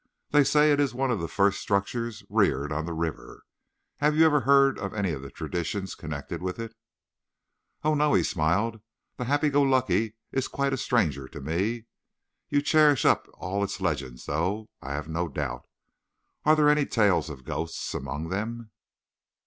"They say it is one of the first structures reared on the river. Have you ever heard any of the traditions connected with it?" "Oh, no," he smiled. "The Happy Go Lucky is quite a stranger to me. You cherish up all its legends, though, I have no doubt. Are there any tales of ghosts among them?